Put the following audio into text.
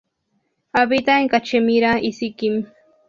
Habita en Cachemira y Sikkim.